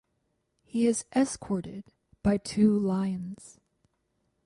He is escorted by two lions.